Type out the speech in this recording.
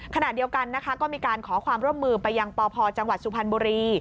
ขณะเดียวกันนะคะก็มีการขอความร่วมมือไปยังปพจังหวัดสุพรรณบุรี